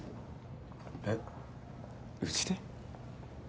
えうちで？